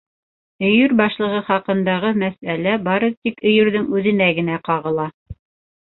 Өйөр башлығы хаҡындағы мәсьәлә бары тик Өйөрҙөң үҙенә генә ҡағыла.